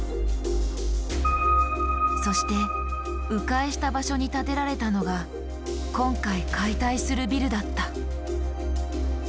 そしてう回した場所に建てられたのが今回解体するビルだった。